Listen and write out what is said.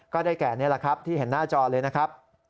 ก็ได้แก่นี่แหละครับที่เห็นหน้าจอเลยนะครับ